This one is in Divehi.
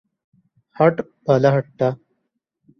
ހަޓް ބަލަހައްޓާ